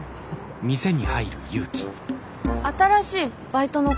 新しいバイトの子？